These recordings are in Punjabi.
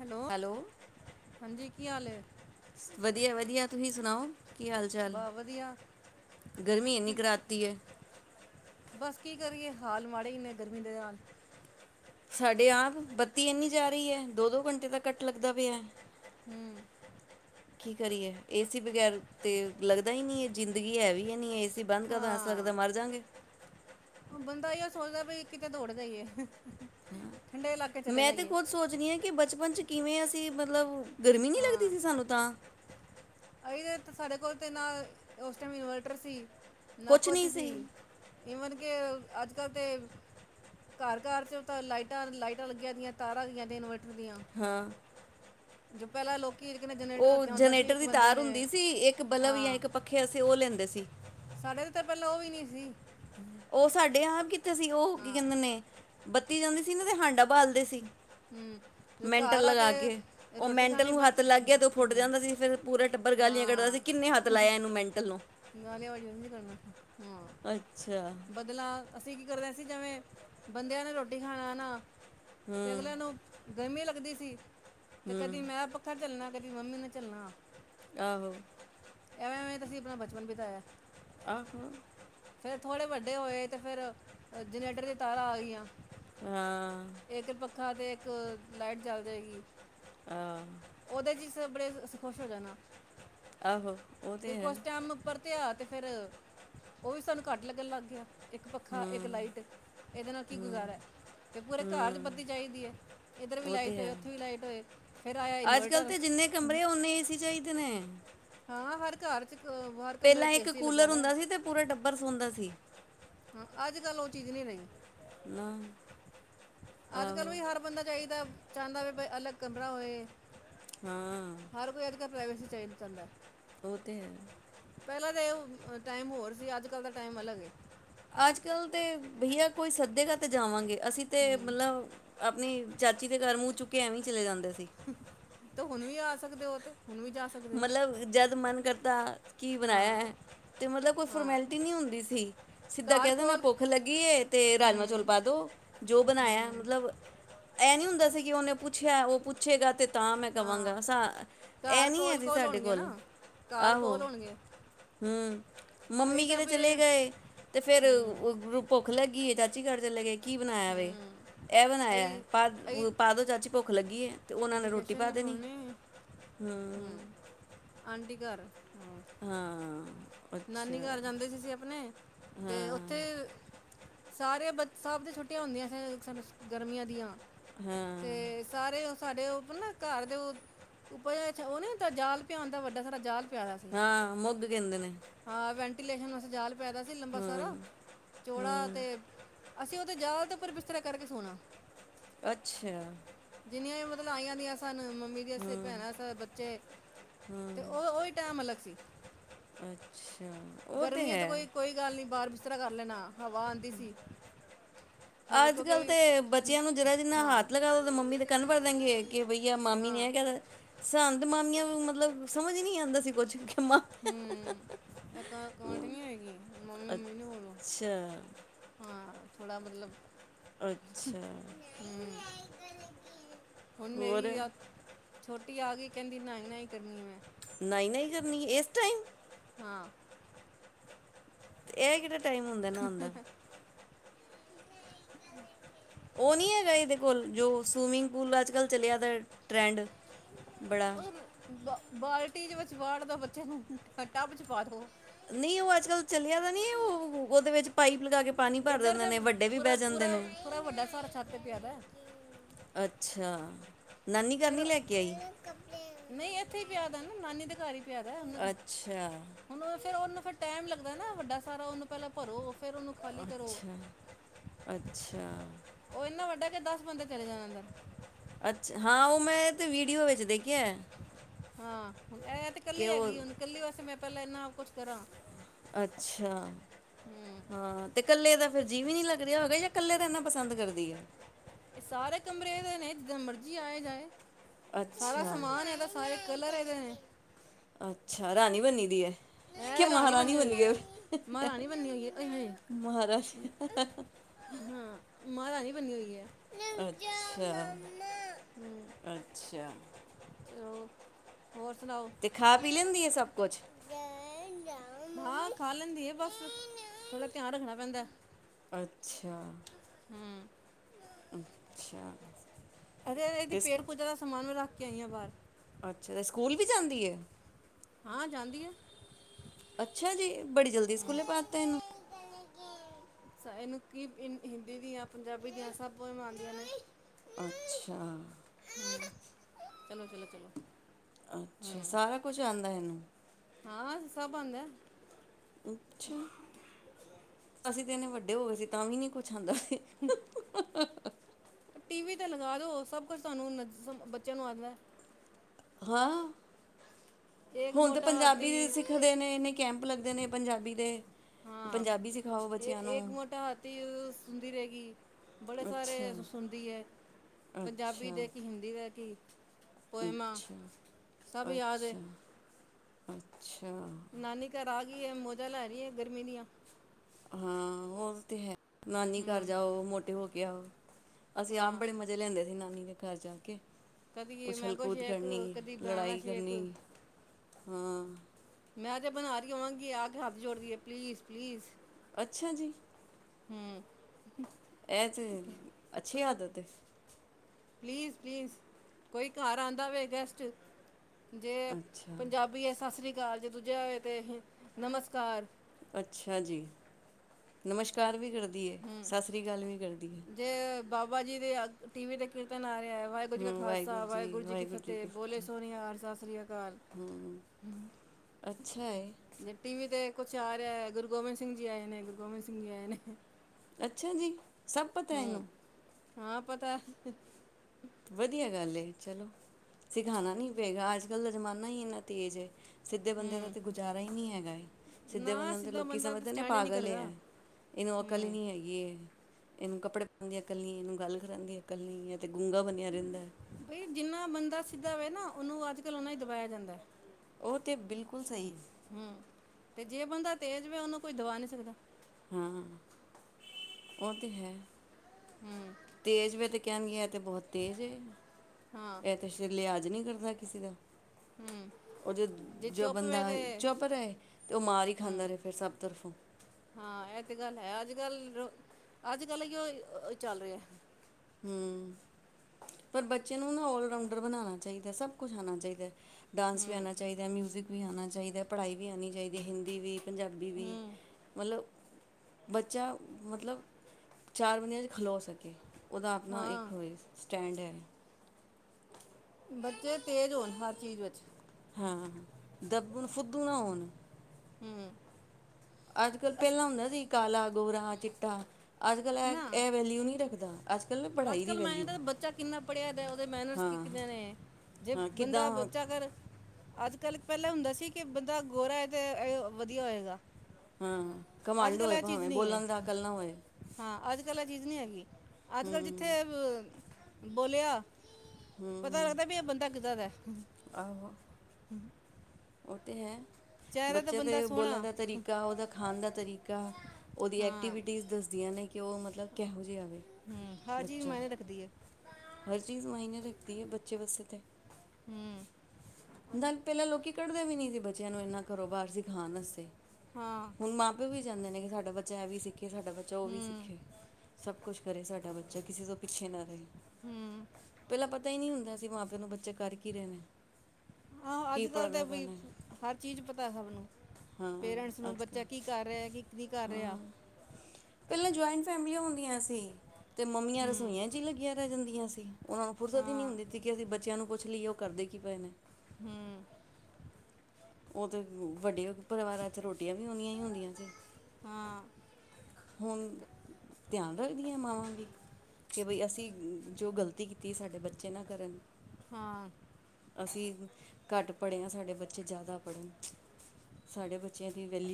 ਹੈਲੋ ਹਾਂਜੀ ਲ ਵਧੀਆ ਵਧੀਆ ਤੁਸੀਂ ਸੁਣਾਓ ਕੀ ਹਾਲ ਚਾਲ ਬਸ ਵਧੀਆ ਗਰਮੀ ਇਨੀ ਕੀ ਕਰਾਤੀ ਹੈ ਬਸ ਕੀ ਕਰੀਏ ਹਾਲ ਮਾੜੇ ਇੰਨੇ ਗਰਮੀ ਦੇ ਨਾਲ ਸਾਡੇ ਆਪ ਬੱਤੀ ਇੰਨੀ ਜਾ ਰਹੀ ਹੈ ਦੋ ਦੋ ਘੰਟੇ ਦਾ ਕੱਟ ਲੱਗਦਾ ਪਿਆ ਹੈ ਹੂੰ ਕੀ ਕਰੀਏ ਇਸਏ ਸੀ ਬਗੈਰ ਤੇ ਲੱਗਦਾ ਹੀ ਨਹੀਂੀ ਹੈ ਜ਼ਿੰਦਗੀ ਹੈ ਵੀ ਹੈ ਨੀ ਅਸੀਂ ਬੰਦ ਕਰਦੋ ਐਸ ਲਦਾ ਹਾਂ ਮਰ ਜਾਗੇ ਬੰਦਾ ਇਹ ਸੋਚਦਾ ਵੀ ਕਿਤੇ ਦੌੜਦਾ ਹੀ ਹੈ ਮੈਂ ਤੇ ਖੁਦ ਸੋਚਣੀ ਹਾਂ ਕਿ ਬਚਪਨ ਚ ਕਿਵੇਂ ਅਸੀਂ ਮਤਲਬ ਗਰਮੀ ਨਹੀਂ ਲੱਗਦੀ ਹਾਂ ਸੀ ਸਾਨੂੰ ਤਾਂ ਤਾਂ ਸਾਡੇ ਕੋਲ ਤਾਂ ਨਾ ਉਸ ਟਾਈਮ ਇਨਵਰਟਰ ਸੀ ਕੁਛ ਨਹੀਂ ਸੀ ਈਵਨ ਕਿ ਅੱਜ ਕੱਲ੍ਹ ਤਾਂ ਘਰ ਘਰ 'ਚ ਤਾਂ ਲਾਈਟਾਂ ਲਾਈਟਾਂ ਲੱਗੀਆਂਦੀਆਂ ਤਾਰਾਂ ਆ ਜਾਂਦੀਆਂ ਇਨਵਰਟਰ ਦੀਆਂ ਹਾਂ ਜੋ ਪਹਿਲਾਂ ਲੋਕ ਉਹ ਜਨਰੇਟਰ ਦੀ ਤਾਰ ਹੁੰਦੀ ਸੀ ਇੱਕ ਬਲਬ ਜਾਂ ਹਾਂ ਇੱਕ ਪੱਖੇ ਸੀ ਉਹ ਲੈਂਦੇ ਸੀ ਸਾਡੇ ਤੇ ਤਾਂ ਪਹਿਲਾਂ ਉਹ ਵੀ ਨੀ ਸੀ ਉਹ ਸਾਡੇ ਆਪ ਕੀ ੇ ਸੀ ਉਹ ਹੋ ਕੀ ਹਾਂ ਕਹਿੰਦੇ ਨੇ ਬੱਤੀ ਜਾਂਦੀ ਸੀ ਨਾ ਤੇ ਹਾਂਡਾ ਬਾਲਦੇ ਸੀ ਹੂੰ ਜਦੋਂ ਮੈਂਟਲ ਘਰ ਆ ਲਗਾ ਕੇ ਉਹ ਰੋਟੀ ਮੈਂਟਲ ਖਾਣੀ ਬ ਨੂੰ ਹੱਥ ਲੱਗ ਗਿਆ ਤੇ ਉਹ ਫੁਟ ਹੂੰ ਜਾਂਦਾ ਸੀ ਫਿਰ ਪੂਰਾ ਟੱਬਰ ਗਾਲੀਆਂ ਕੱਢਦਾ ਸੀ ਹਾਂ ਕਿੰਨੇ ਹੱਥ ਲਾਇਆ ਇਹਨੂੰ ਮੈਂਟਲ ਨੂੰ ਗਾਲੀਆਂ ਵਾਲੀ ਯੂਜ ਨਹੀਂ ਕਰਨਾ ਹਾਂ ਅ ਬਦਲਾ ਅਸੀਂ ਕਰਦਾ ਸੀ ਜਿਵੇਂ ਬੰਦਿਆਂ ਨੇ ਰੋਟੀ ਖਾਣਾ ਨਾ ਅਤੇ ਹੂੰ ਅਗਲ ਨੂੰ ਗਰਮੀ ਲੱਗਦੀ ਸੀ ਤੇ ਕਦੀ ਹੂੰ ਮੈਂ ਪੱਖਾ ਚੱਲਣਾ ਤੇਰੀ ਮੰਮੀ ਨੇ ਚੱਲਣਾ ਆਹੋ ਐਵੇਂ ਐਵੇਂ ਤਾਂਸੀਂ ਆਪਣਾ ਬਚਪਨ ਵੀ ਤਾਂ ਆਆ ਆਹੋ ਫਿਰ ਥੋੜ੍ਹੇ ਵੱਡੇ ਹੋਏ ਅਤੇ ਫਿਰ ਜਨਰੇਟਰ ਦੀਆਂ ਤਾਰਾਂ ਆ ਗਈਆਂ ਹਾਂ ਇਹਧ ਪੱਖਾ ਤੇ ਇੱਕ ਲਾਈਟ ਚੱਲ ਜਾਵੇਗੀ ਆਹ ਉਹਦੇ ਜ ਬੜੇ ਖੁਸ਼ ਹੋ ਜਾਣਾ ਆਹੋ ਉਹ ਤੇ ਹੈ ਫਰ ਉਹ ਵੀ ਸਾਨੂੰ ਘੱਟ ਲੱਗਣ ਲੱਗ ਗਿਆ ਇੱਕ ਪੱਖਾ ਇੱਕ ਹੂੰ ਲਾਈਟ ਇਹਦੇ ਨਾਲ ਕੀ ਗੁਜ਼ਾਰਾ ਫ ਪੂਰੇ ਘਰ ' ਹੂੰ ਬੱਤੀ ਚਾਹੀਦੀ ਹੈ ਇੱਧਰ ਵੀ ਉਹ ਤੇ ਲਾਈਟ ਹੋਏ ਹੈ ਉੱਥੇ ਵੀ ਲਾਈਟ ਹੋਏ ਫਿਰ ਆਇਆ ਅੱਜ ਕੱਲ ਇਨਵਰਟਰ ਤੇ ਜਿੰਨੇ ਕਮਰੇ ਓਨੇ ਏਸੀ ਚਾਹੀਦੇ ਨੇ ਹਾਂ ਹਰ ਘਰ ਚ ਕ- ਹਰ ਕਮਰੇ ਪਹਿਲਾਂ 'ਚ ਇੱਕ ਏਸੀ ਲੱਗਾ ਕੂਲਰ ਦਾ ਹੈ ਹੁੰਦਾ ਸੀ ਤੇ ਪੂਰਾ ਟੱਬਰ ਸੌਦਾ ਸੀ ਹਾਂ ਅੱਜ ਕੱਲ ਉਹ ਚੀਜ਼ ਨੀ ਰਹੀ ਨਾ ਅੱਜ ਕੱਲ ਆਹੋ, ਵੀ ਹਰ ਬੰਦਾ ਚਾਹੀਦਾ ਚਾਹੁੰਦਾ ਵੀ ਬਈ ਅਲੱਗ ਕਮਰਾ ਹੋਏ ਹਾਂ, ਹਰ ਕੋਈ ਅੱਜ ਕੱਲ੍ਹ ਪ੍ਰਾਈਵੇਸੀ ਤੇੇਲ ਚੰਦਾ ਹੋਤੇ ਹੈ ਪ ਟਾਈਮ ਹੋਰ ਸੀ ਅੱਜ ਕੱਲ ਦਾ ਟਾਈਮ ਅਲੱਗ ਅੱਜ ਕੱਲ ਤੇ ਬਈਆ ਕੋਈ ਸੱਦੇਗਾ ਤੇ ਜਾਵਾਂਗੇ ਅਸੀਂ ਤਾਂ ਹੂੰ ਮਤਲਬ ਅ ਚਾਚੀ ਦੇ ਘਰ ਮੂੰਹ ਚੁੱਕ ਐਵੇਂ ਚਲੇ ਜਾਂਦੇ ਪੀ ਤੇ ਹੁਣ ਵੀ ਆ ਸਕਦੇ ਹੋ ਤੇ ਹੁਣ ਵੀ ਜਾ ਸਕਦੇ ਹੋ ਮਤਲਬ ਜਦ ਮਨ ਕਰਦਾ ਤਾਂ ਕੀ ਬਣਾਇਆ ਹਾਂ ਹੈ ਅਤੇ ਮਤਲਬ ਕੋਈ ਹਾਂ ਫੋਰਮੈਲਿਟੀ ਨਹੀਂ ਹੁੰਦੀ ਸੀ ਸਿੱਧਾ ਕਾਰ ਕਹਿ ਦਿੰਣਾ ਕੋਲ ਭੁੱਖ ਲੱਗੀ ਹੈ ਅਤੇ ਰਾਜਮਾਂ ਚੌਲ ਹੂੰ ਪਾ ਦਿਉ ਜੋ ਬਣਾਇਆ ਹੂੰ ਮਤਲਬ ਇਹ ਨੀ ਹੁੰਦਾ ਸੀ ਕਿ ਉਹਨੇ ਪੁੱਛਿਆ ਉਹ ਪੁੱਛੇਗਾ ਤੇ ਤਾਂ ਮੈਂ ਹਾਂ ਕਹਾਂਗਾ ਇਹ ਕਾਰ ਨੀ ਹੈ ਕੋਲ ਸੀ ਕੋਲ ਸਾਡੇ ਹੋਣਗੇ ਨਾ ਕਾਰ ਆਹੋ ਕੋਲ ਹੋਣਗੇ ਹੂੰ ਅਸੀਂ ਮੰਮੀ ਤਾਂ ਕਿਤੇ ਵੀ ਚਲੇ ਗਏ ਤੇ ਫੇਰ ਹੂੰ ਗੁਰੂ ਭੁੱਖ ਲੈਗੀ ਕੀ ਤਾਂ ਚੀ ਗਰਜ ਲਗਗੀ ਕੀ ਬਣਾਇਆ ਵੇ ਹੂੰ ਇਹ ਬਣਾਇਆ ਅਸੀਂ ਪਾ ਅਸੀਂ ਪਾਦੋ ਚਾਚ ਭੁੱਖ ਲੱਗੀ ਏ ਤੇ ਉਹਨਾਂ ਨੇ ਰੋਟੀ ਰਿਲੇਸ਼ਨ ਪਾ ਨਹੀਂ ਦੇਣੀ ਬਣੇ ਹਮ ਹੂੰ ਆਂਟੀ ਘਰ ਹੂੰ ਹਾਂ ਅੱਛਾ ਅਤੇ ਹਾਂ ਉੱਥੇ ਸਾਰੀਆਂ ਬ ਸਭ ਤੋਂ ਛੁੱਟੀਆਂ ਹੁੰਦੀਆਂ ਸ ਸਾਨ ਗਰਮੀਆਂ ਦੀਆਂ ਹਾਂ ਤੇ ਸਾਰੇ ਸਾਡੇ ਉੱਪਰ ਨਾ ਘਰ ਦੇੱਪਰ ਉਹ ਨੀ ਹੁੰਦਾ ਜਾਲ ਪ ਆਉਂਦਾ ਵੱਡਾ ਸਾਡਾ ਜਲ ਹਾਂ ਮੁੱਗ ਕਹਿੰਦੇ ਨੇ ਲੇਸ਼ਨ ਜਾਲ ਪੈਦਾ ਸੀ ਲੰਬਾ ਸਾਰਾ ਹੂੰ ਚੋੜਾ ਤੇ ਹੂੰ ਅਸੀਂ ਉਹਦੇ ਜਾਲ ਦੇ ਉੱਪਰ ਬਿਸਤਰਾ ਕਰਕੇ ਸੋਣਾ ਅੱਛਾ ਜਨੀਆਂ ਮਤਲਬ ਆਈ ਜਾਂਦੀਆਂ ਸਾਨੂੰ ਮੰਮੀ ਦੀ ਹਸੇ ਭੈਣਾਂ ਬੱਚੇ ਅਤੇ ਉਹ ਉਹੀ ਟਾਈਮ ਅਲੱਗ ਸੀ ਅੱਛਾ ਉਹ ਗਰਮੀੀਆਂ ਤੇ ਹੈ ਕੋਈ ਕੋਈ ਗੱਲ ਨਹੀਂੀ ਬਾਹਰ ਇਸ ਤਰ੍ਹਾਂ ਕਰ ਲੈ ਹਵਾ ਆਉਂਦੀ ਸੀ ਹਵਾ ਅੱਜ ਕੱਲ ਕਿਉਂਕਿ ਤੇ ਠੰ- ਬੱਚਿਆਂ ਨੂੰ ਜਿਹਰਾ ਜਿੰਨਾ ਹਾਂ ਹੱਥ ਲਗਾ ਦ ਮੰਾਮਮੀ ਤੇ ਕੰਨ ਵਰ ਦਿਆਂਗੇ ਕਿ ਬਈਆ ਮਾਮੀ ਹਾਂ ਨੇ ਇਹ ਕਹਿ ਮਾਮੀਆਂ ਨੂੰ ਮਤਲਬ ਸਮਝ ਨੀ ਆਉਂਦਾ ਸੀ ਕੁੱਝ ਹਮ ਇਕਟ ਨੀ ਹੋਏਗੀ ਮੰਾਮਮੀ ਮੰਮੀ ਨੂੰ ਬੋਲੋ ਅੱਛਾ ਹਾਂ ਥੋ੍ਹਾ ਮਤਲਬ ਅੱਛਾ ਹੂੰ। ਹੁਣ ਹੋਰ ਮੇਰੀ ਆ ਛੋਟੀ ਰਟੀ ਆ ਗਈ ਕਹਿੰਦੀ ਨਾ ਹੀ ਨਾ ਹੀ ਕਰਨੀ ਮੈਂ ਨ ਨਹੀਂ ਕਰਨੀ ਇਸ ਟਾਈਮ ਹਾਂ ਹੈੇਗੀ ਟਾਈਮ ਹੁੰਦਾ ਨਾ ਆਉਂਦਾ ਹਮ ਉਹ ਨਹੀਂ ਹੈਗਾ ਇਹਦੇ ਕੋਲ ਜੋ ਸਵੀਮਿੰਗ ਪੂਲ ਅੱਜ ਕੱਲ੍ਹ ਚਲਿਆ ਦਾ ਟਰੈਂਡ ਬੜਾ ਉਹ ਬ- ਬਾਲਟੀ ਚ ਵਿੱਚ ਵੜ ਦੋ ਬੱਚਿਆਂ ਨੂੰ ਟੱਬ ਚ ਪਾ ਦੋ ਨਹੀਂ ਉਹ ਅੱਜ ਕੱਲ ਚਲਿਆ ਤਾਂ ਨਹੀਂੀ ਉਹ ਉਹਦੇ ਵਿੱਚ ਪਾਈਪ ਲਗਾ ਕੇ ਪਾਣੀ ਭਰ ਇੱਧਰ ਦਿੰਦੇ ਤੇ ਨੇ ਵੱਡੇ ਵੀ ਪੂਰਾ ਬਹਿ ਪੂਰਾ ਜਾਂਦੇ ਨੇ ਪੂਰਾ ਵੱਡਾ ਸਾਰਾ ਛੱਤ ਤੇ ਪਿਆ ਦਾ ਹੈ। ਅੱਛਾ ਨਾਨੀ ਘਰ ਨੀ ਫਿਰੋ ਲੈ ਕੇ ਆਈ? ਕਪਲੇ ਨਹੀਂ ਇੱਥੇ ਹੀ ਪਿਆਦਾ ਨਾ ਨਾਨੀ ਦੇ ਘਰ ਹੀ ਪਿਆਦਾ ਉਹਨੂੰ ਅੱਛਾ, ਹੁਣ ਫੇਿਰ ਉਹਨੂੰ ਫਿਰ ਟਮ ਲੱਗਦਾ ਨਾ ਵੱਡਾ ਸਾਰਾ ਉਹਨੂੰ ਪਹਿਲਾਂ ਭਰੋ ਫਿਰ ਉਹਨੂੰ ਖਾਲੀ ਕਰੋ ਅੱਛਾ ਅੱਛਾ ਦਸ ਬੰਦੇ ਚਲੇ ਜਾਣਾ ਅੰਦਰ ਅੱਛਾ ਹਾਂ ਉਹ ਮੈਂ ਤੇ ਵੀਡੀਓ ਵਿੱਚ ਦੇਖੀਿਆ ਹਾਂ ਹੁਣ ਇਹ ਤੇ ਕੱਲੀ ਹੈਗੀ ਹੁਣ ਕੱਲੀ ਵਾਸੇ ਮੈਂ ਪਹਿਲਾਂ ਇਨਾ ਕੁਛ ਕਰਾਂ ਅੱਛਾ ਹੂੰ ਹਾਂ ਤੇ ਕੱਲੇ ਦਾ ਫੇਿਰ ਜੀ ਵੀ ਨੀ ਲੱਗ ਰਿਹਾ ਹੈਗਾ ਜਾਂ ਕੱਲੇ ਰ ਇਹਨਾ ਪਸੰਦ ਕਰਦੀ ਆ ਇਹ ਸਾਰੇ ਕਮਰੇਦੇ ਨੇ ਜਿੱਦਾਂ ਮਰਜ਼ੀ ਆਏ ਜਾਏ ਸਾਰਾ ਅੱਛਾ, ਸਮਾਨ ਇਹਦਾ ਸਾਰੇ ਕੱਲਾਰ ਨੇ ਅੱਛਾ ਰਾਣੀ ਬੰਨੀ ਦੀ ਹੈ ਕਿ ਇਹ ਰਾਣੀ ਮਹਾਰਣੀ ਬੰਨੀ ਬਣ ਹੋਈ ਹੈ ਗਵੇ ਮਹਾਰਾਣੀ ਬੰਨੀ ਹੋਈ ਹੈ ਓਏ ਹੋਏ ਮਹਾਰਾਣੀ ਬਣੀ ਹੋਈ ਹੈ ਨੰਜਾ ਅੱਛਾ ਮੰਮਾ ਹੂੰ ਅੱਛਾ ਚਲੋ ਹੋਰ ਸੁਣਾਓ ਤੇ ਖਾ ਪੀ ਲੈਂਦੀ ਆ ਸਭ ਕੁਛ ਹਾਂ ਹਾਂ ਖਾ ਲੈਂਦੀ ਆ ਬਸ ਥੋੜਾ ਧਿਆਨ ਰੱਖਣਾ ਪੈਂਦਾ ਅੱਛਾ ਹਮ ਅੱਛਾ ਅ ਇਹਦੀ ਤੇ ਪੇੜ ਸਕੂ- ਪੂਜ ਦਾ ਸਮਾਨ ਵੀੱਖ ਈਆਂ ਬਾਹਰ ਅੱਛਾ ਅਤੇ ਸਕੂਲ ਵੀ ਜਾਂਦੀ ਹੈ ਹਾਂ ਜਾਂਦੀ ਹੈ ਅੱਛਾ ਜੀ ਬੜੀ ਜਲਦੀ ਹਮ ਸਕੂਲੇ ਪਾ ਦਿੱਤਾ ਇਹਨੂੰ ਇਹਨੂੰ ਕੀ ਹਿੰਦੀ ਦੀਆਂ ਪੰਜਾਬੀ ਦੀਆਂ ਸਭਦੀਆਂ ਨੇ ਅੱਛਾ ਹਮ ਚਲੋ ਚਲੋ ਚਲੋ ਅੱਛਾ ਹਮ ਸਾਰਾ ਕੁਛ ਆਉਂਦਾ ਇਹਨੂੰ ਹਾਂ ਸਭ ਬੰਦਾ ਹੈ ਅੱਛ ਅਸੀਂ ਤੇ ਇੰਨੇ ਵੱਡੇ ਹੋ ਗਏ ਸੀ ਤਾਂ ਵੀ ਨੀ ਕੁਛ ਆਉਂਦਾ ਸੀ ਹਮ ਟੀ ਵੀ ਤੇ ਲਗਾ ਦੋ ਸਭ ਕੁਛ ਸਾਨੂੰ ਬੱਚਿਆਂ ਨੂੰ ਆਦਦਾ ਹਾਂ ਏਕ ਹੁਣ ਤਾਂ ਮੋਟਾ ਪੰਜਾਬੀ ਹਾਥੀ ਸਿੱਖਦੇ ਨੇ ਇੰਨੇ ਕੈਂਪ ਲੱਗਦੇ ਨੇ ਪੰਜਾਬੀ ਦੇ ਹਾਂ ਪੰਜਾਬੀ ਸਿਖਾਓ ਬੱਚਿਆਂ ਇਹ ਇੱਕ ਨੂੰ ਮੋਟਾ ਹਾਥੀ ਸੁਣਦੀ ਰਹੇਗੀ ਬੜੇ ਸਾਰੇ ਅੱਛਾ ਸੁਣਦੀ ਹੈ ਪੰਜਾਬੀ ਅੱਛਾ ਦੇ ਕੀ ਹਿੰਦੀ ਦੇ ਕੀ ਅੱਛਾ ਅੱਛਾ ਨਾਨੀ ਕਰ ਆਗੀ ਏ ਮੋਜਾ ਲੈ ਰਹੀ ਹੈ ਗਰਮੀ ਦੀਆਂ ਹਾਂ ਬੋਲ ਤੇ ਹੈ ਨਾਨੀ ਘਰ ਹੂੰ ਜਾਓ ਮੋਟੇ ਹੋ ਪਿਓ [unintelligible] ਅਸੀਂ ਆਪ ਹਾਂ, ਬੜੇ ਮਜ਼ੇ ਲੈਂਦੇ ਸੀ ਨਾਨੀ ਦੇ ਘਰ ਜਾ ਕੇ ਕਦੀ ਕੁਛਲ ਮੈਂਗੋ ਕੂਦ ਸ਼ੇਕ, ਕਰਨੀ ਕਦੀ ਬਨਾਨਾ ਲੜਾਈ ਸ਼ੇਕ। ਕਰਨੀ ਹਾਂ ਮੈਂ ਤੇ ਬਣਾ ਰੀ ਹੋਵਾਂਗੀ ਆ ਕੇ ਹੱਥ ਜੋੜਦੀ ਹੈ ਪਲੀਜ਼ ਪਲੀਜ਼ ਅੱਛਾ ਜੀ ਹਮ ਇਹ ਤੇ ਅੱਛੀ ਆ ਮੱਦਦੇ [unintelligible] ਪਲੀਜ਼ ਪਲੀਜ਼ ਕੋਈ ਘਰ ਆਉਂਦਾ ਹੋਵੇ ਗੈਸਟ ਜੇ ਅੱਛਾ ਪੰਜਾਬੀ ਇਹ ਸਤਿ ਸ੍ਰੀ ਦੂਜਾ ਆਜੇ ਦੂਜਾ ਆਵੇ ਤੇ ਨਮਸਕਾਰ ਅੱਛਾ ਜੀ ਨਮਸਕਾਰ ਵੀ ਕਰ ਦੀ ਏ ਹੂੰ ਜੇ ਬਾਬਾ ਜੀ ਦੇ ਟੀ ਵੀ ਤੇ ਕੀਰਤਨ ਆ ਵਾਹਿਗੁਰੂ ਜੀ ਕਾ ਖਾਲਸਾ ਵਾਹਿਗੁਰੂ ਜੀ ਕੀ ਫਤਿਹ ਬੋਲੇ ਸੋਨੀਆਰ ਸਤਿ ਸ੍ਰੀ ਅਕਾਲ ਹੂੰ ਅੱਛਾ ਹੈ ਟੀ ਵੀ ਤੇ ਕੁਛ ਆ ਰਿਹਾ ਹੈ ਗੁਰੂ ਗੋਬਿੰਦ ਸਿੰਘ ਜੀ ਆਏ ਨੇ ਗੁਰੂ ਗੋਬਿੰਦ ਸਿੰਘ ਜੀ ਆਏ ਨੇ ਅੱਛਾ ਜੀ ਸੱਬ ਪਤਾ ਐ ਹੂੰ ਇਹਨੂੰ ਹਾਂ ਪਤਾ ਵਧੀਆ ਗੱਲ ਏ ਚਲੋ ਸਿਖਾਉਣਾ ਨੀ ਪਏ ਸਿੱਧੇ ਬੰਦੇ ਦਾ ਹੂੰ ਤੇ ਗੁਜ਼ਾਰਾ ਹੀ ਨਹੀਂ ਹੈਗਾ ਏ ਸਿੱਧੇ ਨਾ ਬੰਦਿਆਂ ਨੂੰ ਤੇ ਸਿੱਧਾ ਲੋਕੀ ਬੰਦਾ ਤਾਂ ਸਮਝਦੇ ਨੇ ਸਟੈਂਡ ਹੀ ਨਹੀਂ ਪਾਗਲ ਕਰਦਾ ਹੈ ਇਹਨੂੰ ਅਕਲ ਹੀ ਹੂੰ ਨਹੀਂ ਹੈਗੀ ਏ ਇਹਨੂੰ ਕੱਪੜੇ ਪਾਉਣ ਦੀ ਅਕਲ ਨੀ ਇਹਨੂੰ ਗੱਲ ਕਰਨ ਦੀ ਅਕਲ ਨੀ ਇਹ ਤੇ ਗੂੰਗਾ ਬਈ ਜਿੰਨਾ ਬੰਦਾ ਸਿੱਧਾ ਵੇ ਨਾ ਉਹਨੂੰ ਅੱਜ ਕਲ ਉਹਨਾ ਹੀ ਦਬਾਇਆ ਜਾਂਦਾ ਹੈ ਉਹ ਤੇ ਬਿਲਕੁਲ ਸਹੀ ਹੂੰ ਤੇ ਜੇ ਬੰਦਾ ਤੇਜ਼ ਵੇ ਉਹਨੂੰ ਕੋਈ ਦਵਾ ਨਹੀਂ ਸਕਦਾ ਹਾਂ ਹਾਂ ਉਹ ਤੇ ਹੈ ਹੂੰ ਤੇਜ ਵੇ ਤੇ ਵਿਿਆਨ ਗ ਗਿਆਤ ਤੇ ਬਹੁਤ ਤੇਜ਼ ਹਾਂ ਇਹ ਤੇ ਲਿਆਜ਼ ਨਹੀਂ ਕਰਦਾ ਕਿਸੇ ਦਾ ਹੂੰ ਉਹ ਜੇ ਜ ਚੁੱਪ ਬੰਦਾ ਵੇ ਤੇ ਚੁੱਪ ਰਿਹਾ ਤੇ ਉਹ ਮਾਰ ਹੀ ਹੂੰ ਖਾਂਦਾ ਰਿਹਾ ਫਿਰ ਸਭ ਤਰਫੋਂ ਅੱਜ ਗੱਲ ਹੈ ਅੱਜ ਕੱਲ ਅੱਜ ਕੱਲ ਉਹ ਚੱਲ ਰਿਹਾ ਹਮ ਪਰ ਬੱਚੇ ਨੂੰ ਨਾ ਆਲਰਾਊਂਡਰ ਬਣਾਉਣਾ ਚਾਹੀਦਾ ਸਭ ਕੁਛ ਆਉਣਾ ਚਾਹੀਦਾ ਡਾਂਸ ਵੀ ਹੂੰ ਆਉਣਾ ਚਾਹੀਦਾ ਮਿਊਜਿਕ ਵੀ ਆਉਣਾ ਚਾਹੀਦਾ ਪੜ੍ਹਾਈ ਵੀ ਆਉਣੀ ਚਾਹੀਦੀ ਹਿੰਦੀ ਵੀ ਪੰਜਾਬੀ ਵੀ ਹੂੰ ਮਤਲਬ ਬੱਚਾ ਮਤਲਬ ਚਾਰ ਬੰਦਿਆ ਚ ' ਖਲੋ ਸਕੇ ਉਹਦਾ ਆਪਣਾ ਇੱਕ ਹਾਂ ਹੋ ਸਟੈਂਡ ਹੈ ਬੱਚੇ ਤੇਜ਼ ਹੋਣ ਹਰ ਚੀਜ਼ ਵਿੱਚ ਹਾਂ ਦੱਬਣ ਫੁਦੂ ਨਾ ਹੋਉਣ ਹਮ ਅੱਜ ਕਲ ਪਹਿਲਾਂ ਹੁੰਦਾ ਸੀ ਕਾਲਾ ਗੋਰਾਾਂ ਚਿੱਟਾ ਅਜ ਕਲ ਨਾ ਇਹ ਵੈਲਿਊ ਨਹੀਂ ਰੱਖਦਾ ਤਾਂ ਅੱਜ ਕੱਲ ਮੈਂ ਬੱਚਾ ਕਿੰਨਾ ਪੜ੍ਹਿਆ ਉਹਦੇ ਮੈਨਰਸ ਕਿ ਹਾਂ ਕਿੰਨੇ ਨੇ ਜੇ ਹਾਂ ਬੰਦਾ ਕਿੱਦਾਂ ਬੱਚਾ ਅ ਕਰ ਅੱਜ ਕੱਲ ਪਹਿਲਾਂ ਹੁੰਦਾ ਸੀ ਕਿ ਬੱਚਾ ਗੋਰਾ ਹੈ ਤੇ ਇਹ ਵਧੀਆ ਹੋਏਗਾ ਹਾਂ ਅੱਜ ਘੁਮੰਡ ਕੱਲ੍ਹ ਹੋਏ ਇਹ ਚੀਜ਼ ਭਾਵੇਂ ਨਹੀਂ ਬੋਲਣ ਦਾ ਹੈ ਅਕਲ ਨਾ ਹੋਏ ਹਾਂ ਅੱਜ ਕੱਲ੍ਹ ਇਹ ਚੀਜ਼ ਨਹੀਂ ਹੈਗੀ ਅੱਜ ਕੱਲ੍ਹ ਜ ਹੂੰ ਅਤੇ ਬੋਲਿਆ ਪਤਾ ਹੂੰ ਲੱਗਦਾ ਵੀ ਇਹ ਬੰਦਾ ਕਿੱਦਾਂ ਦਾ ਆਹੋ ਉਹ ਤੇ ਹੈ ਚਿਹਰਾ ਤਾਂ ਬੱਚਿਆਂ ਬੰਦਾ ਦੇ ਬੋਲਣ ਸੋਹਣਾ ਦਾ ਤਰੀਕਾ ਉਹਦਾ ਖਾਣ ਦਾ ਤਰੀਕਾ ਉਹਹਦੀ ਹਾਂ ਐਕਟੀਵਿਟੀਜ਼ ਦੱਸਦੀਆਂ ਨੇ ਕਿ ਉਹ ਮਤਲਬ ਕਿਹੋ ਜਿਹਾ ਆਵੇ ਹਮ ਹਰ ਚੀਜ਼ ਬੱਚਾ ਮੈਂਨੇ ਰੱਖਦੀ ਆ ਹਰ ਚੀਜ਼ ਮਾਇਨੇ ਰੱਖਦੀ ਹੈ ਬੱਚੇ ਬੱਸੇ ਤੇ ਹਮ ਨਾਲ ਪਹਿਲਾਂ ਲੋਕ ਕੱਢਦੇ ਵੀ ਨਹੀਂ ਸੀ ਬੱਚਿਆਂ ਨੂੰ ਇੰਨਾ ਕਾਰੋਬਾਰ ਸੀਖਾਣ ਵਾਸਤੇ ਹਾਂ ਹੁਣ ਮਾਂ ਪਿਓ ਵੀ ਚਾਹੁੰਦੇ ਨੇ ਕਿ ਸਾਡੇ ਬੱਚਾ ਜੈ ਵੀ ਸੀ ਕਿ ਸਾਡਾ ਬੱਚਾ ਉਹ ਵੀ ਹੂੰ ਸਿੱਖੇ। ਸਭ ਕੁਛ ਕਰੇ ਸਾਡਾ ਬੱਚਾ, ਕਿਸੇ ਤੋਂ ਪਿੱਛੇ ਨਾ ਰਹੇ। ਹੂੰ ਪਹਿਲਾਂ ਪਤਾ ਈ ਨੀ ਹੁੰਦਾ ਸੀ ਮਾਂ ਪਿਓ ਨੂੰ -ਬੱਚੇ ਕਰ ਕੀ ਰੇਟ ਨੇ। ਆਹੋ ਅੱਜ ਕੀ ਕੱਲ੍ਹ ਤਾਂ ਪੜ੍ਹਦੇ ਪਏ ਵੀ ਨੇ ਹਰ ਚੀਜ਼ ਪਤਾ ਸਭ ਨੂੰ, ਹਾਂ ਪੇਰੈਂਟਸ ਨੂੰ। ਅੱਜ ਬੱਚਾ ਕੀ ਕੱਲ੍ਹ ਕਰ ਰਿਆ ਕੀ ਨਹੀਂ ਕਰ ਰਿਆ। ਪੇਲਾਂ ਜੁਆਇੰਟ ਫੈਮਲੀਆਂ ਹੁੰਦੀਆਂ ਸੀ। ਤੇ ਮੰਮੀਆਂ ਹੂੰ ਰਸੋਈਆਂ ਚ ਹੀ ਲੱਗੀਆਂ ਰਹਿ ਜਾਂਦੀਆਂ। ਸੀ ਉਹਨਾਂ ਨੂੰ ਫੁਰਸਤ ਹੀ ਨਹੀਂ ਹਾਂ ਹੁੰਦੀ ਤੀ ਕਿ ਅਸੀਂ ਬੱਚਿਆਂ ਨੂੰ- ਪੁਥ ਲੀਏ ਉਹ ਕਰਦੇ ਕੀ ਪਏ ਨੇ। ਹੂੰ ਉਹ ਤੇ ਵੱਡੇ ਪਰਿਵਾਰਾਂ 'ਚ ਰੋਟੀ- ਰੋਟੀਆਂ ਵੀ ਓਨੀਆ ਹੀ ਹੁੰਦੀਆਂ ਜੇ। ਹਾਂ ਹੁਣ ਧਿਆਨ ਰੱਖਦੀਆਂ ਮਾਵਾਂ ਵੀ ਕਿ ਬਈ ਅਸੀਂ- ਜੋ ਗਲਤੀ ਕੀਤੀ। ਸਾਡੇ ਬੱਚੇ ਨਾ ਕਰਨ। ਹਾਂ ਅਸੀਂ ਘੱਟ ਪੜ੍ਹੇ ਹਾਂ। ਸਾਡੇ ਬੱਚੇ ਜ਼ਿਆਦਾ ਪੜ੍ਹਨ। ਸਾਡੇ ਬੱਚੇ-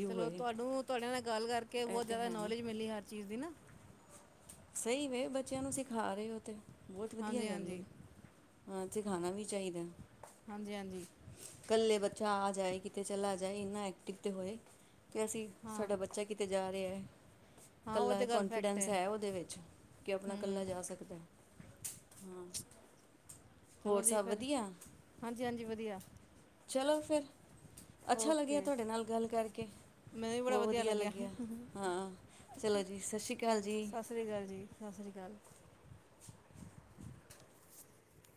ਚਲੋ ਤੁਹਾਨੂੰ ਤਾਡੇ ਨਾਲ ਗੱਲ ਕਰਕੇ ਇਹ ਬਹੁਤ ਤਾਂ ਜ਼ਿਆਦਾ ਹੈ ਨਾ। ਨੌਲੇਜ- ਮਿਲੀ ਹਰ ਚੀਜ਼ ਦੀ ਨਾ। ਸਹੀ ਵੇ ਬੱਚਿਆਂ ਨੂੰ ਸਿਖਾ ਰਹੇ ਹੋ ਤੇ। ਬਹੁਤ ਵਧੀਆ ਹਾਂਜੀ ਗੱਲ ਐ। ਹਾਂਜੀ ਹਾਂ ਸੀਖਾਣਾ ਵੀ ਚਾਹੀਦਾ। ਹਾਂਜੀ ਹਾਂਜੀ ਕੱਲੇ ਬੱਚਾ ਆ ਜਾਏ ਕਿਤੇ ਚਲਾ ਜਾਏ। ਇਨਾ ਐਕਟਿਵ ਤੇ ਹੋਏ। ਕਿ ਅਸੀਂ ਹਾਂ ਸਾਡਾ ਬੱਚਾ ਕਿਤੇ ਜਾ - ਤੇ ਐ। ਹਾਂ ਉਹ ਕੱਲਾ ਏ ਤਾਂ ਗੱਲ ਫੈਕਟ ਕਨਫੀਡੈਂਸ ਹੈ ਉਹਦੇ ਵਿੱਚ। ਕਿ ਆਪਣਾ ਕੱਲਾ ਹੂੰ ਜਾ ਸਕਦਾ। ਹਾਂ ਚਲੋ ਹੋਰ ਜੀ ਸਭ ਫਿਰ। ਵਧੀਆ ਹਾਂਜੀ- ਹਾਂਜੀ ਵਧੀਆ। ਚਲੋ ਫਿਰ ਅੱਛਾ ਲੱਗਿਆ ਓਕੇ ਤੁਆਡੇ ਨਾਲ ਗੱਲ ਕਰਕੇ। ਮੈਨੂੰ ਵੀ ਬੜਾ ਬਹੁ ਵਧੀਆ ਲੱਗਿਆ। ਹਾਂ ਚਲੋ ਜੀ-ਸਸ਼ੀ ਕਾਲ ਜੀ ਸਤਿ ਸ਼੍ਰੀ ਅਕਾਲ ਜੀ ਸਤਿ ਸ਼੍ਰੀ ਅਕਾਲ